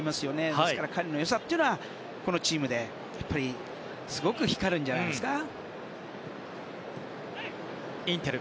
ですから、彼の良さはこのチームですごく光るんじゃないですか。